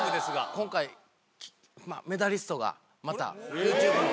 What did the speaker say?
今回メダリストがまた「ＱＴｕｂｅ」の。